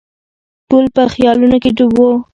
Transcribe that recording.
ټول په خیالونو کې ډوب وو.